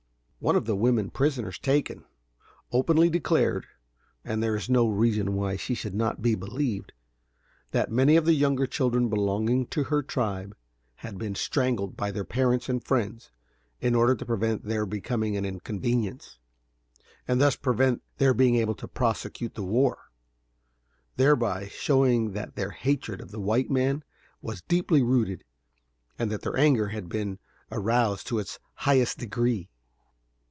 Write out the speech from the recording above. One of the women prisoners taken, openly declared, and there is no reason why she should not be believed, that many of the younger children belonging to her tribe had been strangled by their parents and friends in order to prevent their becoming an inconvenience, and thus prevent their being able to prosecute the war, thereby showing that their hatred of the white man was deeply rooted, and that their anger had been aroused to its highest degree.